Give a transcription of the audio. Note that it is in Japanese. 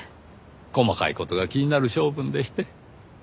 細かい事が気になる性分でして。